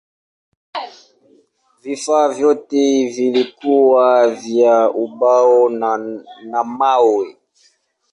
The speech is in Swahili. Vifaa vyote vilikuwa vya ubao na mawe.